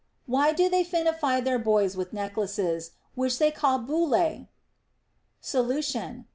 Why do they finify their boys with neck laces, which they call bullae? Solution.